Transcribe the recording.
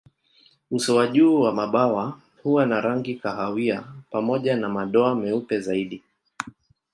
Uso wa juu wa mabawa huwa na rangi kahawia pamoja na madoa meupe zaidi.